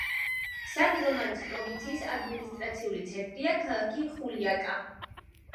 სან-რომანის პროვინციის ადმინისტრაციული ცენტრია ქალაქი ხულიაკა.